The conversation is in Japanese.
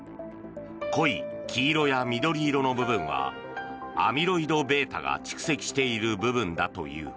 濃い黄色や緑色の部分はアミロイドβが蓄積している部分だという。